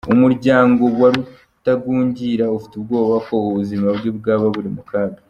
Umuryango wa Rutagungira ufite ubwoba ko ubuzima bwe bwaba buri mu kaga